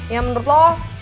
ya menurut lo